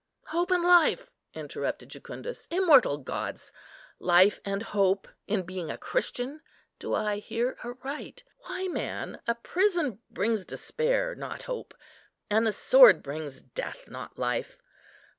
"Hope and life!" interrupted Jucundus, "immortal gods! life and hope in being a Christian! do I hear aright? Why, man, a prison brings despair, not hope; and the sword brings death, not life.